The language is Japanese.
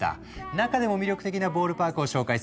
中でも魅力的なボールパークを紹介するね。